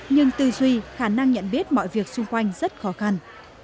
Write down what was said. nhưng tư duy khả năng nhận biết mọi việc xung quanh rất khó khăn